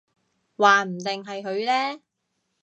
話唔定係佢呢